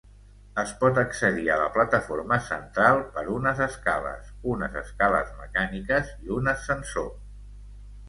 Es pot accedir a la plataforma central per unes escales, unes escales mecàniques i un ascensor.